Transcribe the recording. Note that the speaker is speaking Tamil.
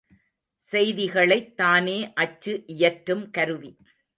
செய்திகளைத் தானே அச்சு இயற்றும் கருவி.